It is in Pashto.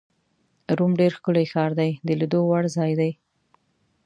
روم ډېر ښکلی ښار دی، د لیدو وړ ځای دی.